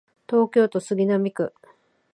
東京都杉並区